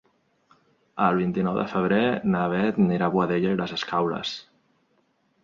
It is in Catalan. El vint-i-nou de febrer na Beth anirà a Boadella i les Escaules.